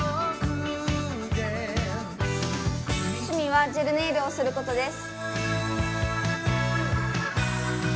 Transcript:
趣味はジェルネイルをすることです。